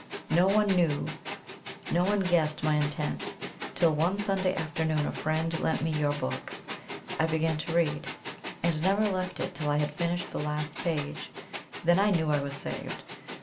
No one knew, no one guessed my intent, till one Sunday afternoon a friend lent me your book. I began to read, and never left it till I had finished the last page then I knew I was saved.